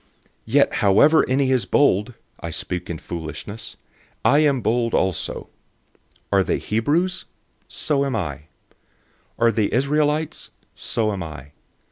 Yet however any is bold (I speak in foolishness), I am bold also. 011:022 Are they Hebrews? So am I. Are they Israelites? So am I.